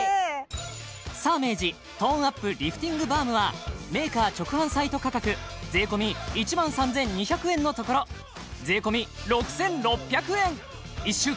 サーメージトーンアップリフティングバームはメーカー直販サイト価格税込１万３２００円のところ税込６６００円１週間限定